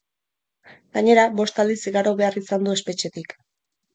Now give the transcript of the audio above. Gainera, bost aldiz igaro behar izan du espetxetik.